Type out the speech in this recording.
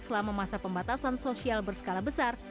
selama masa pembatasan sosial berskala besar